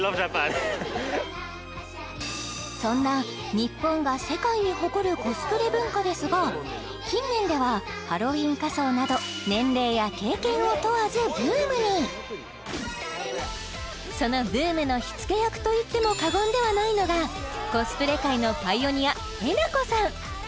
そんな日本が世界に誇るコスプレ文化ですが近年ではハロウィン仮装などそのブームの火付け役と言っても過言ではないのがコスプレ界のパイオニアえなこさん